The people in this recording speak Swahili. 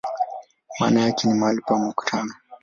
Maana yake ni "mahali pa mkutano".